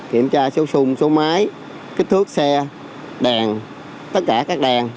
kiểm tra số sung số máy kích thước xe đèn tất cả các đèn